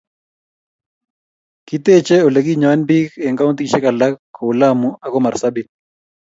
kiteche oleginyoen biik eng kauntishek alak ku lamu ago marsabit